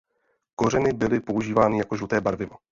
Kořeny byly používány jako žluté barvivo.